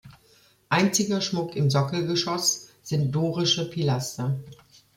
Einziger Schmuck im Sockelgeschoss sind dorische Pilaster.